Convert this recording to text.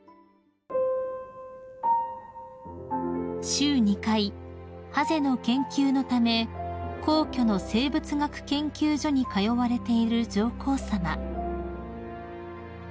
［週２回ハゼの研究のため皇居の生物学研究所に通われている上皇さま］